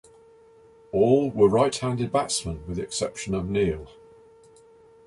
All were right-handed batsmen with the exception of Neil.